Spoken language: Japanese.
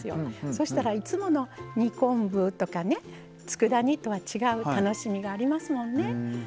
そしたら、いつもの煮昆布とかつくだ煮とは違う楽しみがありますもんね。